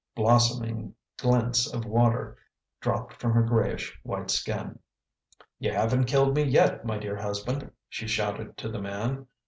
Blossoming glints of water dropped from her grayish white skin. "You haven't killed me yet, my dear husband," she shouted to the man.